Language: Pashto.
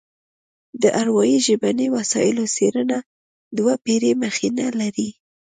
د اروايي ژبني مسایلو څېړنه دوه پېړۍ مخینه لري